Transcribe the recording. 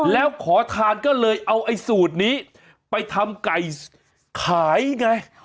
แล้วขอทานก็เลยเอาไอ้สูตรนี้ไปทำไก่ขายไง